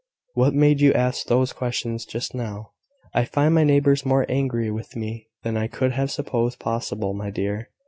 "What made you ask those questions just now?" "I find my neighbours more angry with me than I could have supposed possible, my dear.